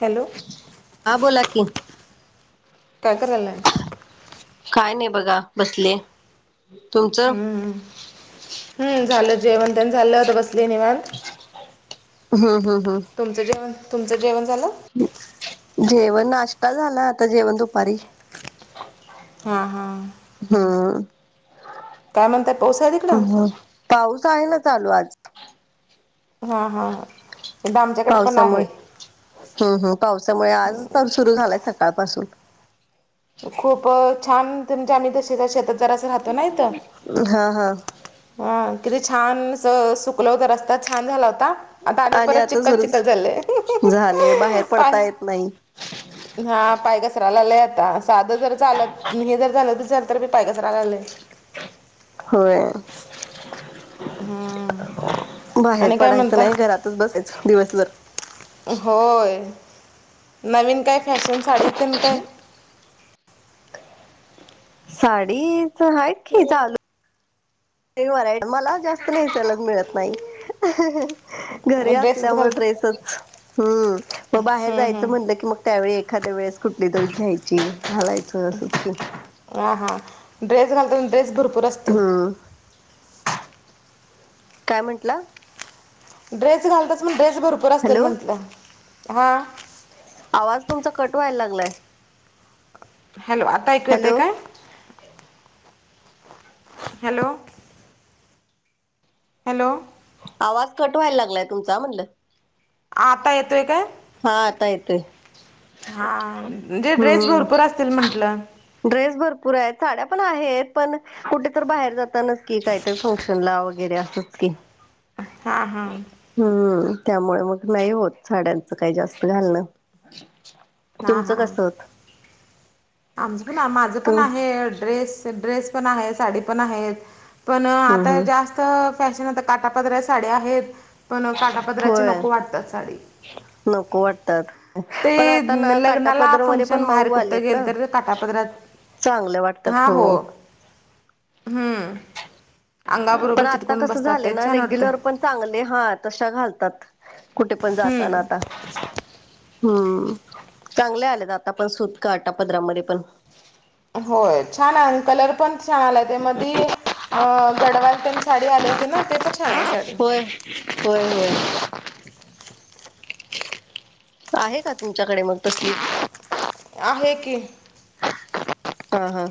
Hello, हा बोला की, काय करायलाय? काय नाही बघा. बसले तुमचं? हम्, झालं जेवण तेन झालं होत. बसले निवांत. हम् हम् हम्. तुमचं जेवण? तुमचं जेवण झालं? जेवण, नाश्ता झाला आता जेवण दुपारी. हा हां. हम. काय म्हणताय? पाऊस आहे तिकड? पाऊस आहे ना चालू आज. हा हा हा. पावसामुळे. हम्म हम, पावसामुळे आज तर सुरू झालाय सकाळ पासून. खूप छान. तुमच्या आम्ही तसे शेतात जरासं राहतो ना इथ. हा हा. हा किती छान सुकल हो. तर रस्ता छान झाला होता. आता आणि परत आता चिखल सुरू चिखल झाले. झाले बाहेर पाय पडता येत नाही हा पाय कसरा लागलेत आता साधं जर चालत हे जर झालं तुझर तर मी पाय कचरालंय होय हम्म, बाहेर पडायचं नाही घरातच बसायचं दिवसभर होय नवीन काय फॅशन साडीत काय साडीच आहेत की चालू ते वराय मला जास्त मेट्येलाच मिळत नाही घरी ड्रेसच असल्यामुळे घाल ड्रेसच हम्म मग बाहेर हम्म जायचं म्हटलं की मग त्यावेळी एखाद्या वेळेस कुठली तर घ्यायची घालायचं असंच की हा हा ड्रेस घालताना ड्रेस भरपूर असतील. हम्म काय म्हंटला ड्रेस घालत्यास म्हणून ड्रेस भरपूर असतील हॅलो म्हटलं हां. आवाज तुमचा कट व्हाय लागलाय. हॅलो आता ऐकू येते हॅलो काय हॅलो हॅलो. आवाज कट व्हायला लागलाय तुमचा म्हणलं आता येतो य काय हा आता येतय हां जे ड्रेस हम्म भरपूर असतील म्हटलं, ड्रेस भरपूर आहेत साड्या पण आहेत पण कुठे तर बाहेर जातानाच की काहीतरी फंक्शन ला वगैरे असच की, हा हा, हम्म त्यामुळे मग नाही होत साड्यांचं काही जास्त घालणं. हां तुमचं हां कसत आमचं पण माझं पण आहे ड्रेस ड्रेस पण आहे साडी पण आहेत पण हम्म आता हम्म जास्त फॅशन काठपदराच्या साड्या आहेत पण काटापदराचे होय नको वाटतात साडी. नको वाटतात. ते पण आता ना लग्नाला काठापदर मध्ये पण फंक्शन बाहेर मऊ कुठं आलेत गेल ना, तर काटापदरात चांगलं वाटतात हो, हम्म अंगाबरोबर पण आता चिटकून कस बसतात ते झालं ना छान वाटते रेग्युलर पण चांगले हा तशा घालतात कुठे पण जाताना हम्म आता हम्म चांगले आलेत आता पण सुत काटा पदरामध्ये पण होय छान आहे कलर पण छान आलाय ते मधी गडवाल तेन. साडी आले होते ना ते पछाण्या होय होय होय आहे का तुमच्याकडे मग तसली आहे की हा, हा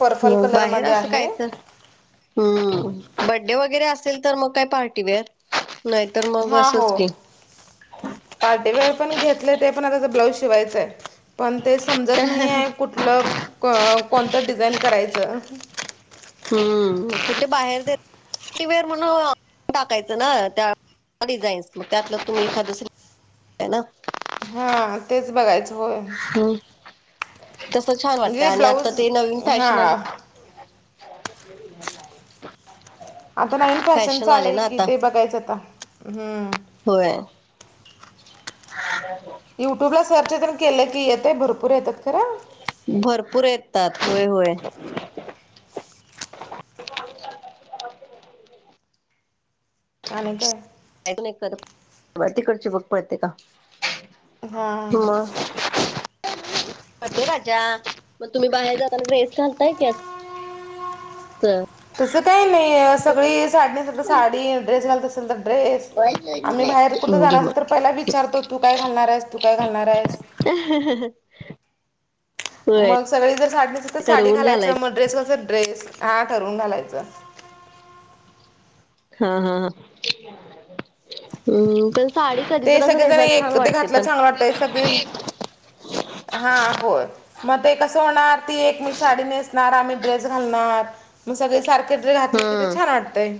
पर्पल मग बाहेर कलरमध्ये असं काय आहे तर हम्म बड्डे वगैरे असेल तर मग काय पार्टीवेअर नाही हा हो, पार्टीवेअर पण घेतले ते पण [unintelligible] ब्लाऊज शिवायचाय. पण ते समजत नाही आहे कुठलं क कोणतं डिझाईन करायचं. हम्म कुठे बाहेर देत पार्टी पार्टीवेअर म्हण टाकायचं ना त्या डिझाईन्स मग त्यातलं तुम्ही एखादं [unintelligible] न. हा तेच बघायचं होय, तस छान वाटतं म्हणजे आणि आता ब्लाऊज ते नवीन फॅशन हां [unintelligible] आता नवीन फॅशनच फॅशन आले आलाय ना की आता ते बघायचं आता, हम्म. होय. [unintelligible] युट्यूब ला सर्च तेन केलं की येतय भरपूर येत्यात खरं. भरपूर येतात, व्हय व्हय. [inaudible] आणि काय? ऐकू ने तर, तिकडची बघ पळते का? [unintelligible] हां मग, [unintelligible] अरे राजा मग तुम्ही बाहेर जाताना ड्रेस घालताय की अ तर, तसं काही नाही, सगळी साडी नेसलं तर साडी, ड्रेस घालत असेल तर ड्रेस. आम्ही बाहेर कुठ जाणार घे असलं तर मग पहिला विचारतो, तू काय घालणार आहेस? तू काय घालणार आहेस? अं हं हं. मग सगळी जर साडी नेसलं तर साडी ठरवून घालायच घालायचं, मग ड्रेस तर ड्रेस. हां ठरवून घालायचं. अं हं हं, [unintelligible] हूं बस. साडी कधी ते तरच सगळेजण नेसायला छान एक ते वाटते घातलं पण, चांगलं वाटतंय सगळी [unintelligible] हां होय. म ते कस होणार, ती एकटीच साडी नेसणार, आम्ही ड्रेस घालणार, मग सगळेच सारखेे ड्रेस घातले की ते हम्म छान वाटतय.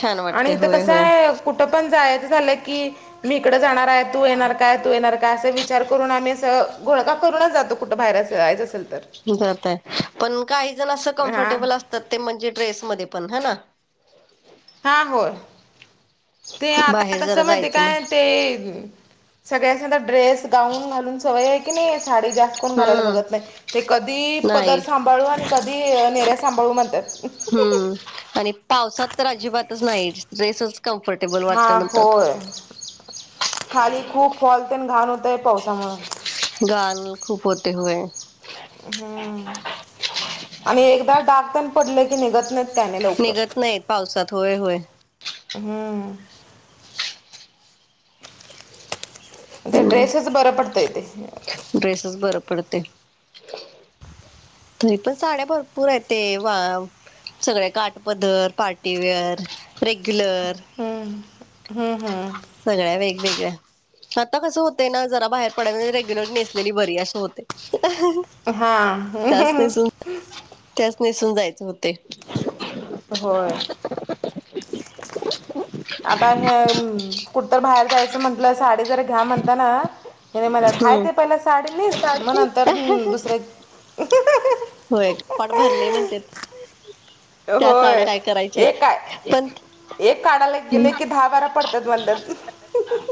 छान आणि वाटते इथं होय कसं होय आहे? कुठ पण जायाचं झालं की मी इकड जाणार हाय, तू येणार काय? तू येणार काय? अस वि विचार करून आम्ही असं घोळका करूनच जातो कुठं बाहेर जायचं असेल तर, जातोय. पण काही जण असं हां कम्फर्टेबल असत तर ते म्हणजे ड्रेस मध्ये पण, है ना. हां होय. ते आता बाहेर कसं जरा माहिती जायचं म्हण काय? ते सगळ्यासनी आता ड्रेस, गाऊन घालून सवय हाय की नाही सारीका? कोण घालायला बघत हम्म नाही. ते कधी पदर नाही सांभाळू आणि कधी निऱ्या सांभाळू म्हणत्यात. हूं आणि पावसात तर अजिबातच नाही, ड्रेसच. कम्फर्टेबल वाटत हां होय. म्हणतात खाली खूप फॉल तेन घाण होतय पावसामुळं. घान खूप होतय व्हय. हूं आणि एकदा डाग पण पडलं की निघत नाहीत. त्याने लवकर निघत नाहीत पावसात. होय होय. हूं हूं. ड्रेस बर पडतंय ते. ड्रेसचं बर पडतय. तरी पण साड्या भरपूर आहेत ते व सगळे काटपदर, पार्टीवेअर, रेग्युलर. ऊं हं हं. सगळ्या वेगवेगळ्या. आता कसं होतेय ना जरा बाहेर पडायच म्हजे रेग्युलर नेसलेली बरी असं होतय. हा तास नाही सुत त्यासनी [unintelligible] जायच होतयं. होय. आता हेअ कुठ तर बाहेर जायचं म्हंटलं साडी जर घ्या म्हणतान - - हिनी म्हणत्यात हाय हम्म ते पहिला साडी नेस. नंतर दुसऱ्या - - होय कपाट भरलयं म्हणत्यात. त्या होय साड्या काय करायच्या एक काय हाईन पण एक काढायला [inaudible] गेले की दहा बारा पडतात म्हणतात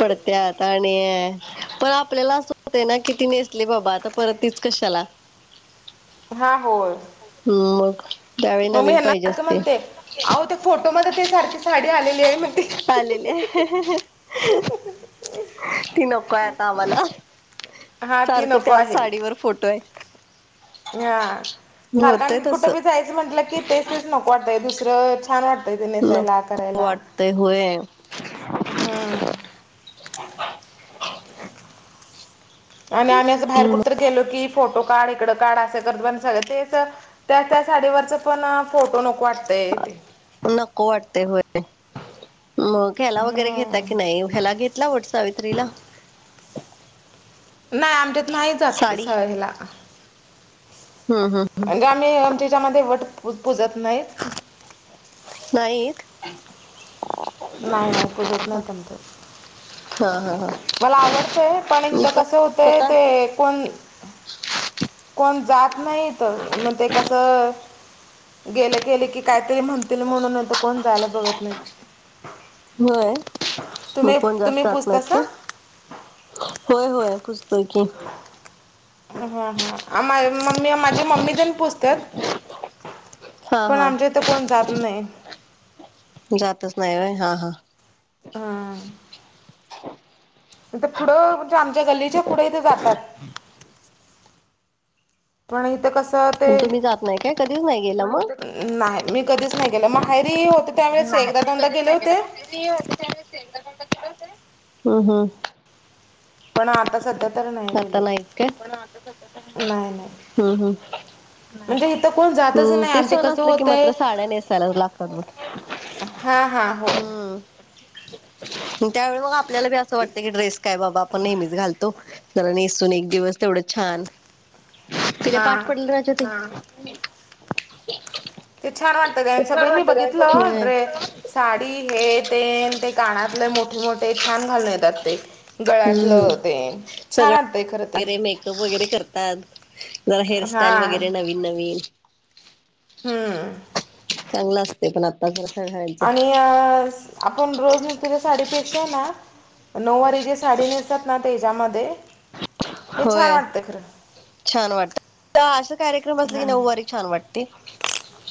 पडत त्यात आणि पण आपल्याला असं होतय ना कि ती नेसली बाबा आता परत तीच कशाला. हा. होय. हम्म मग त्यावेळी मम्मी नवीन हेना पाहिजे सारखं असते म्हणते अहो ते फोटो मध्ये ते सारखे साडी आलेली आहे मग ते चालेले ती नकोय आता आम्हाला. हा ती सारखं नको त्याच आहे. साडीवर फोटो आहे हा होतय सारखांनी तसं कुठबी जायचं म्हटलं की तेच तेच नको वाटंतय दुसरं छान वाटत त नेसायला नको करायला वाटतय होय हम्म आणि आम्ही असं बाहेर कुठ तर गेलो की फोटो काढ इकडं काढ असं करतो आणि सगळं तेच त्या त्या साडीवरचं पण फोटो नको वाटतय ते. नको वाटते होय. मग ह्याला वगैरे घेता कि नाही ह्याला घेतला वट सावित्रीला? नाही आमच्यात नाही जात साडी स हेला. हम हम म्हणजे आम्ही आमच्या जमातीमध्ये वट पूजत नाहीत. नाहीत. नाही नाही पूजत हा नाहीतं आमच्यात. हा हा मला आवडतंय पण मी इथं कस होतंय स्वतः ते कोण कोण जात नाहीत मग ते कसं गेले गेले की कायतरी म्हणतील म्हणून आता कोण जायला बघत नाही. होय तू तुम्ही पण जास्त तुम्ही जात नाही पुसतास काय? होय होय पुूजतोय की. हा हा आमाय मम्मीय माझी मम्मी तेन पुजत्यात. हा पण हा आमच्या इथं कोण जात नाही. जातच नाय होय हा हा. हुं आता पुढं म्हणजे आमच्या गल्लीच्या पुढे इथ जातात. पण इथं कसं ते पण तुम्ही जात नाही काय कधीच नाही गेला मग नाहाय मी कधीच नाही गेले माहेरी होते त्यावेेळेस एकदा दोनदा गेले होते हम हम. पण आता सध्या तर नाही आता गेले नाहीच काय नाही नाही हम्म हम्. म्हणजे इथं कोण जातच हम्म नाही ते आणि सण कसं असलं कि होतंय मात्र साड्या नेसायलाच लागतात बघ. हा हा होय. हम्म त्यावेळी मग आपल्याला बी असं वाटत की ड्रेस काय बाबा आपण नेहमीच घालतो जला नेसून एक दिवस तेवढं छान तिला पाठ हां पडलं राजा ताई ते छान वाटतं का छान सगळे मी वाटत बघितलं होय ड्रेस. साडी हे ते ते कानातले मोठे मोठे छान घालून येतात ते. गळ्यातलं तेन सगळ वगैरे मेकअप वगैरे करतात जरा हा हेअरस्टाईल वगैरे नवीन नवीन हम्म. चांगलं असते पण आता आणि [unintelligible] अ, आपण रोज नेसतो त्या साडीपेक्षा आहे ना नऊवारी जे साडी नेसतात ना तेच्यामधे होय छान वाटत त असा कार्यक्रम असला की नऊवारी छान वाटते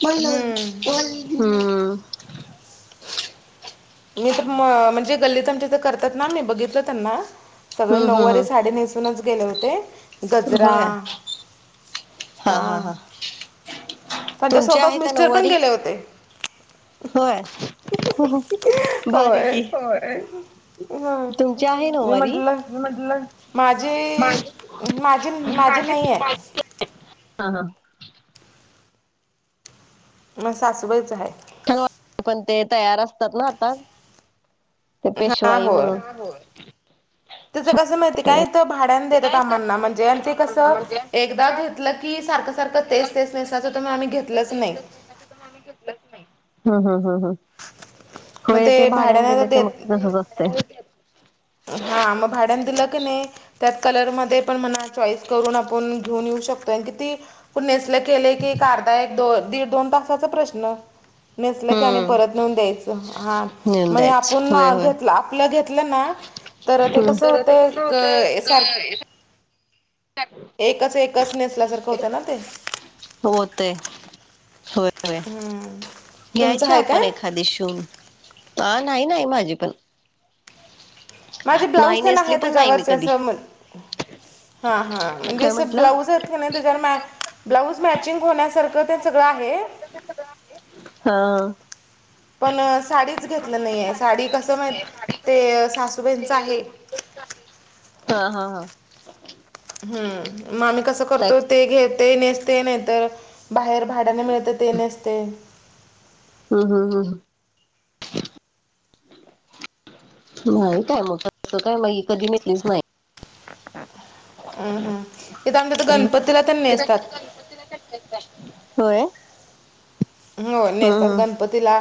हम्म. मी त म म्हणजे गल्लीत आमच्या इथे करतात ना मी बघितलं त्यांना सगळे हम्म हम्म नऊवारी हम्म साडी नेस नेसूनच गेले होते गजरा होय हा तुमची आहे का मिस्टर पण नऊवारी? गेले होते होय बारीच होय की होय. हं. तुमची आहे मी नऊवारी म्हटलं म्हटलं माझी माझी माझी नाही आहे. हा हा. माझ्या सासूबाईच हाय. पण ते तयार असतात ना आता. हा पेशवाई म्हणून. तिच कसं माहिती काय इथं भाड्या देतात आमांना म्हणजे आणि ते कसं एकदा घेत लं की सारखं सारखं तेच तेच नेसाचं होत म्हणून आम्ही घेतलंच नाही. हुं हुं हुं हुं मग होय ते भाड्यान भाड्याने दिलं की मग तसच होतय. हा म भाड्यान दिलं की नाही त्यात कलर मध्ये पण म्हणा चॉईस करून आपण घेऊन येऊ शकतोय किती नेसल केले की अर्धा एक दो दीड दोन तासाचा प्रश्न. नेसल की आणि हम्म परत नेऊन द्यायचं हा नेऊन म हे द्यायच आपुन ना होय होय घेतल आप पल घेतलं ना तर ते कस होतय क सारख एकच एकच नेसल्यासारखं होतं ना ते. होतय. होय होय तुमचं घ्यायची आहे काय आपण एखादि शिऊन. अ नाही नाही माझी पण. माझे ब्लाऊज नाही त्यांना नेसली आहेत पण नाही त्याच्यावर मी चे कधी समाज हा हा काय म्हणजे म्हंटलं ब्लाऊज की नाही त्याच्यावर मॅच ब्लाऊज मॅचिंग होण्यासारखं ते सगळं आहे. हा. पण साडीच घेतल नाहीेये साडी कस माहीत ते सासूबाईंचं आहे. हा हा हा हम्म मग आम्ही कसं काय करतो ते घेत ते नेसते नाही तर बाहेर भाड्याने मिळत. म नसते हा हा हा ह मा काय म काय कधी मिटलीच नाही. अम हम इथे आमच्या तर गणपतीला त्यांनी असतात. प होय हो हम् नेसतात हम् गणपतीला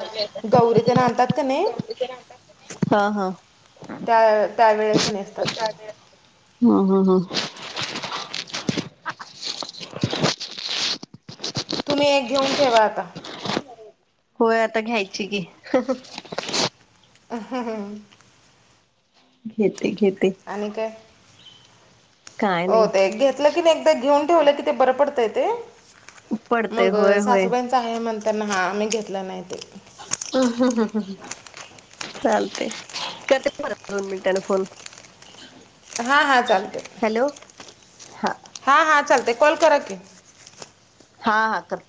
गौरी ते आणतात का नाही. हा हा त्या त्यावेेळेस नेसतात ते हम हम हम तुम्ही एक घेऊन ठेवा आता होय आता घ्यायची की. हुं [unintelligible] घेते घेते. आणि काय. काय हो ते नाही घेतलं की नाही एकदा घेऊन ठेवलं कि ते बरं पडतंय ते पडते मग होय होय सासूबाईंच आहे म्हणताना हा आम्ही घेतलं नाही ते ह हम ह ह ह चालते करते बरं दोन मिनिटांने फोन हा हा चालते हॅलो हा हा चालते कॉल करा की हा हा कर